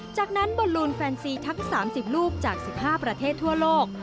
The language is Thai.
จากนั้นบอลลูนแฟนซีทั้ง๓๐ลูกจาก๑๕ประเทศทั่วโลก